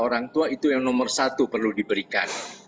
orang tua itu yang nomor satu perlu diberikan